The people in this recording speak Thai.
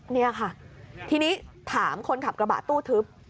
นี่ค่ะทีนี้ถามคนขับกระบะตู้ทึบ